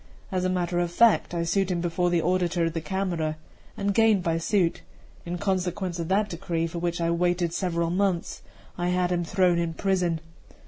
As a matter of fact, I sued him before the auditor of the Camera, and gained by suit; in consequence of that decree, for which I waited several months, I had him thrown into prison.